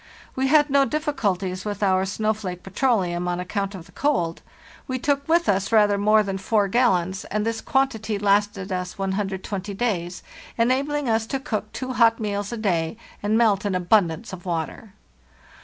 We had no difficulties with our " snowflake " petroleum on account of the cold. We took with us rather more WE MAKE A START 12 Os than 4 gallons, and this quantity lasted us 120 days, en abling us to cook two hot meals a day and melt an abundance of water.